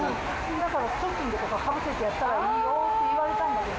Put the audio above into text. だからストッキングとかかぶせてやったらいいよって言われたんだけど。